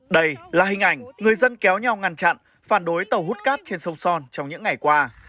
đây là hình ảnh người dân kéo nhau ngăn chặn phản đối tàu hút cát trên sông son trong những ngày qua